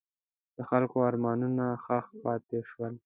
د خلکو ارمانونه ښخ پاتې شول.